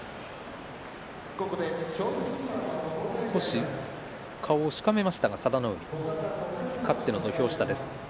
少し顔をしかめました佐田の海勝っての土俵下です。